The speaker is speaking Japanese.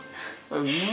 うん？